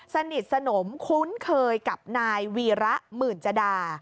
สนิทสนมคุ้นเคยกับนายวีระหมื่นจดา